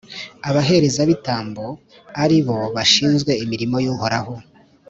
Abaherezabitambo, ari bo bashinzwe imirimo y’Uhoraho,